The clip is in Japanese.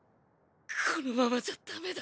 このままじゃダメだ！